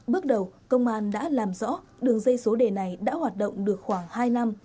bước đầu công an đã làm rõ đường dây số đề này đã hoạt động được khoảng hai năm